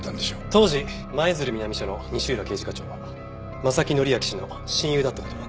当時舞鶴南署の西浦刑事課長は真崎則明氏の親友だった事もわかっています。